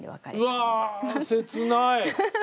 うわ切ない。